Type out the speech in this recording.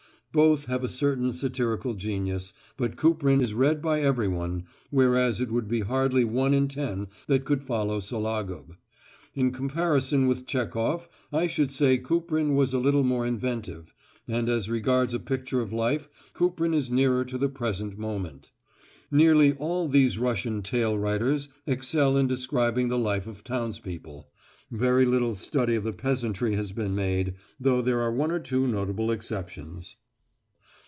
Both have a certain satirical genius, but Kuprin is read by everyone, whereas it would be hardly one in ten that could follow Sologub. In comparison with Chekhof I should say Kuprin was a little more inventive, and as regards a picture of life Kuprin is nearer to the present moment. Nearly all these Russian tale writers excel in describing the life of townspeople. Very little study of the peasantry has been made, though there are one or two notable exceptions.